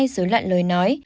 hai rối loạn lời nói